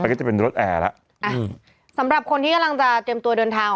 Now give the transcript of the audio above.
ก็จะเป็นรถแอร์แล้วอ่ะสำหรับคนที่กำลังจะเตรียมตัวเดินทาง